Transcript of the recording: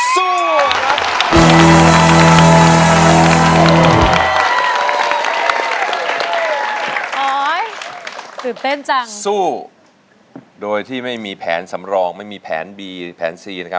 สู้ครับสู้โดยที่ไม่มีแผนสำรองไม่มีแผนบีแผนซีนะครับ